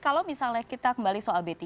kalau misalnya kita kembali soal b tiga